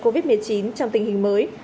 covid một mươi chín trong tình hình mới